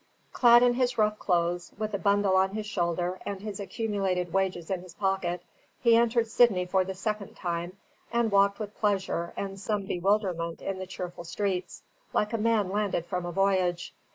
Clad in his rough clothes, with a bundle on his shoulder and his accumulated wages in his pocket, he entered Sydney for the second time, and walked with pleasure and some bewilderment in the cheerful streets, like a man landed from a voyage.